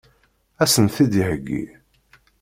Ad sen-t-id-iheggi?